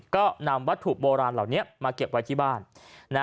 ก็นำวัตถุโบราณเหล่านี้มาเก็บไว้ที่บ้าน